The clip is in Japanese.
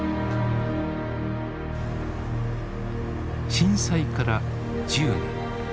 震災から１０年。